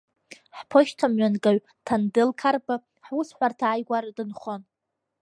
Ҳԥошьҭамҩангаҩ Ҭандел Карба ҳусҳәарҭа ааигәара дынхон.